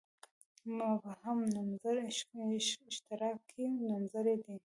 مبهم نومځري اشتراکي نومځري دي.